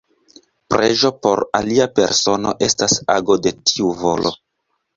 Preĝo por alia persono estas ago de tiu volo.